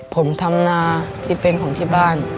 ผมทำนาที่เป็นของที่บ้าน